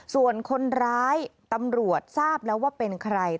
ส่วนคนร้ายตำรวจทราบแล้วว่าเป็นใคร